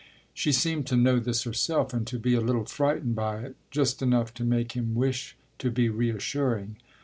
She seemed to know this herself and to be a little frightened by it just enough to make him wish to be reassuring.